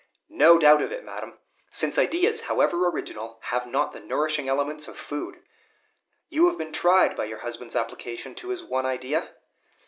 "No doubt of it, madam, since ideas, however original, have not the nourishing elements of food. You have been tried by your husband's application to his one idea?"